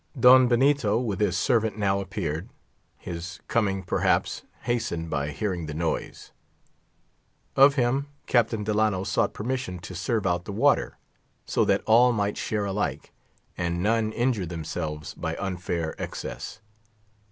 Don Benito, with his servant, now appeared; his coming, perhaps, hastened by hearing the noise. Of him Captain Delano sought permission to serve out the water, so that all might share alike, and none injure themselves by unfair excess.